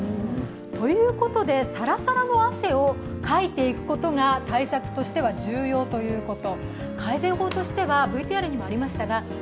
ということで、サラサラの汗をかいていくことが対策としては重要ということ。